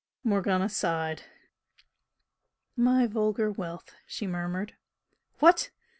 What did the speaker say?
Morgana sighed. "My vulgar wealth!" she murmured. "What?